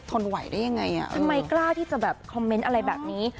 ทำไมกล้าที่จะแบบคอมเมนต์อะไรแบบนี้